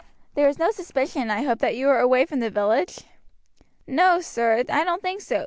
There is no suspicion, I hope, that you were away from the village?" "No, sir, I don't think so.